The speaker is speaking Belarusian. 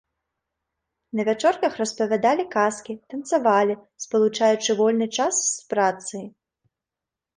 На вячорках распавядалі казкі, танцавалі, спалучаючы вольны час з працай.